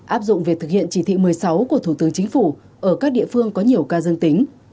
áp dụng việc thực hiện chỉ thị một mươi sáu của thủ tướng chính phủ ở các địa phương có nhiều ca dân tính